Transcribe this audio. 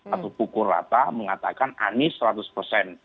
atau pukul rata mengatakan anies